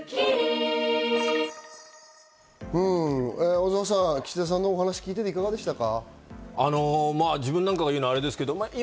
小澤さん、岸田さんのお話聞いていかがでしたか？